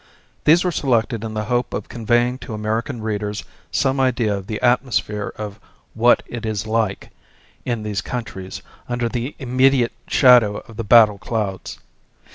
These were selected in the hope of conveying to American readers some idea of the atmosphere, of "what it is like" in these countries under the immediate shadow of the battle clouds.